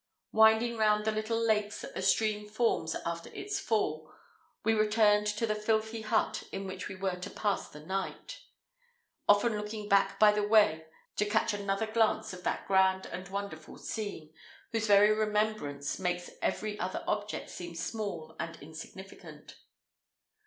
Winding round the little lakes that the stream forms after its fall, we returned to the filthy hut in which we were to pass the night, often looking back by the way to catch another glance of that grand and wonderful scene, whose very remembrance makes every other object seem small and insignificant.